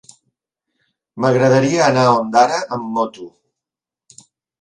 M'agradaria anar a Ondara amb moto.